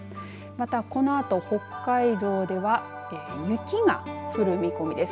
また、このあと北海道では雪が降る見込みです。